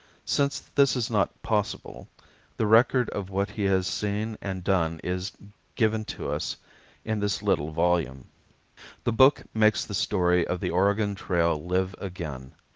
Since this is not possible, the record of what he has seen and done is given to us in this little volume. The book makes the story of the Oregon Trail live again.